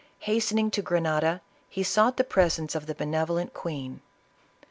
Ilast. ning to Grenada, he sought the presence of the benevolent queen.